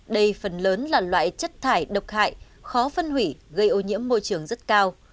đây phần lớn là loại chất thải độc hại khó phân hủy gây ô nhiễm môi trường rất cao